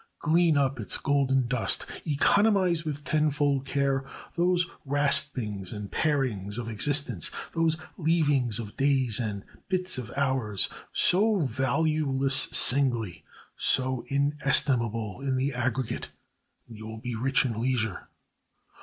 Glean up its golden dust, economize with tenfold care those raspings and parings of existence, those leavings of days and bits of hours, so valueless singly, so inestimable in the aggregate, and you will be rich in leisure.